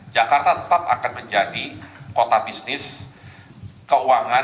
jakarta tetap akan menjadi kota bisnis keuangan